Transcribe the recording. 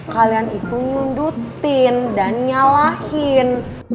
kalian itu nyundutin dan nyalahin